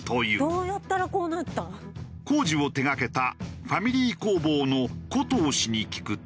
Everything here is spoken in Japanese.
工事を手がけたファミリー工房の古藤氏に聞くと。